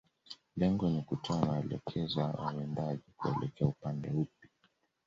Lengo ni kutoa maelekezo ya wawindaji kuelekea upande upi